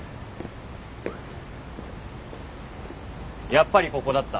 やっぱりここだった。